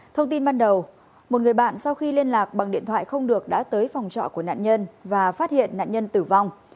thông tin ban đầu một người bạn sau khi liên lạc bằng điện thoại không được đã tới phòng trọ của nạn nhân và phát hiện nạn nhân tử vong